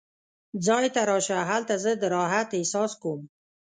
ځای ته راشه، هلته زه د راحت احساس کوم.